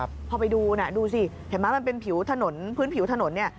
พอไปดูน่ะดูสิเห็นไหมมันเป็นผิวถนนพื้นผิวถนนเนี่ย